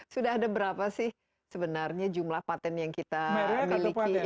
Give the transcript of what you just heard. sudah ada berapa sih sebenarnya jumlah patent yang kita miliki